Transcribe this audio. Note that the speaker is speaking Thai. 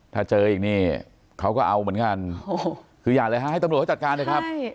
ถ้าเจออีกขนาดนี้เขาก็เอาเหมือนกันคืออย่างไรแหละครับให้ตำรวจจัดการเลยครับ